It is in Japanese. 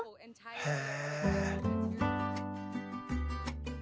へえ。